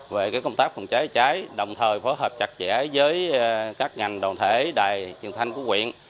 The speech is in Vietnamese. về công tác phòng cháy cháy đồng thời phối hợp chặt chẽ với các ngành đoàn thể đài truyền thanh của quyện